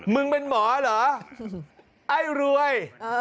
มึงเป็นหมอเหรอไอ้รวย